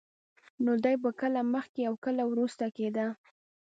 نو دی به کله مخکې او کله وروسته کېده.